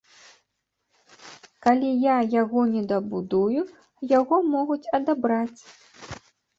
Калі я яго не дабудую, яго могуць адабраць.